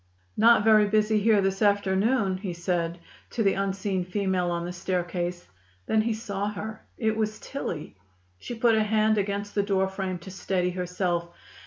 "Not very busy here this afternoon!" he said to the unseen female on the staircase. Then he saw her. It was Tillie. She put a hand against the doorframe to steady herself.